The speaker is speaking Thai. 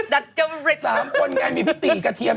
สามคนแน่มีพี่ตรีกระเทียม